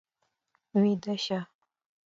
ويده شه.